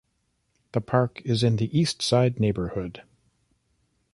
The park is in the East Side neighborhood.